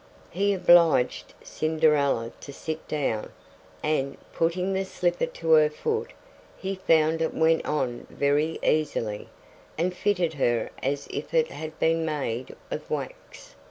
He obliged Cinderella to sit down, and, putting the slipper to her foot, he found it went on very easily, and fitted her as if it had been made of wax.